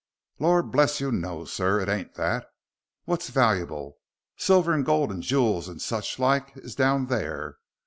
"Lor' bless you no, sir. It ain't that. What's valuable silver and gold and jewels and such like is down there."